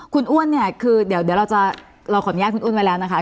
คุณอ้วนเนี่ยคือเดี๋ยวเราจะเราขออนุญาตคุณอ้วนไว้แล้วนะคะ